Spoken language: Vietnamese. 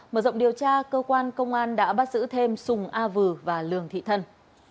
mở rộng điều tra cơ quan công an đã bắt giữ thêm sùng a vừ và lường thị thân